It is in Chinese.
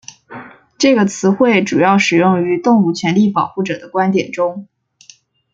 这个词汇主要使用于动物权利保护者的观点中。